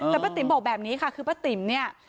แต่ป้าติ๋มบอกแบบนี้ค่ะคือป้าติ๋มเนี่ย